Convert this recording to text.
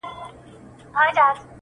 پښتونخوا له درانه خوبه را پاڅیږي٫